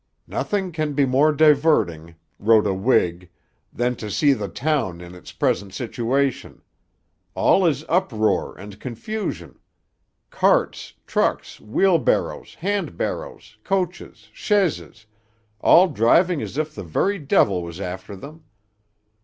'Nothing can be more diverting,' wrote a Whig, 'than to see the town in its present situation; all is uproar and confusion; carts, trucks, wheelbarrows, handbarrows, coaches, chaises, all driving as if the very devil was after them.'